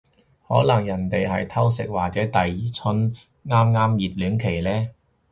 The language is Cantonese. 可能人哋係偷食或者第二春啱啱熱戀期呢